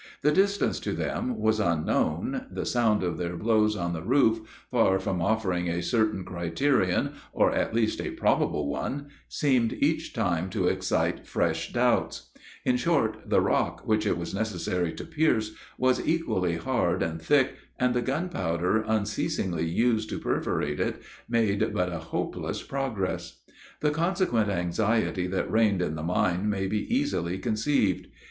The distance to them was unknown; the sound of their blows on the roof, far from offering a certain criterion, or, at least, a probable one, seemed each time to excite fresh doubts; in short, the rock which it was necessary to pierce, was equally hard and thick, and the gunpowder unceasingly used to perforate it, made but a hopeless progress. The consequent anxiety that reigned in the mine may be easily conceived.